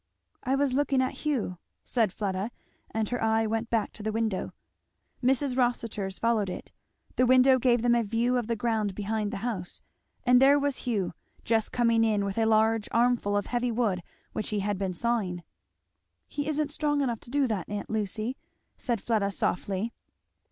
"I was looking at Hugh," said Fleda, and her eye went back to the window. Mrs. Rossitur's followed it. The window gave them a view of the ground behind the house; and there was Hugh, just coming in with a large armful of heavy wood which he had been sawing. "He isn't strong enough to do that, aunt Lucy," said Fleda softly.